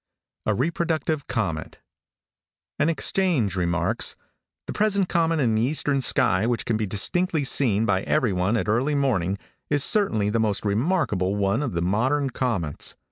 A REPRODUCTIVE COMET. |AN exchange remarks: "The present comet in the eastern sky, which can be distinctly seen by everyone at early morning, is certainly the most remarkable one of the modern comets.